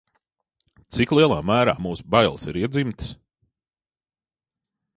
Cik lielā mērā mūsu bailes ir iedzimtas?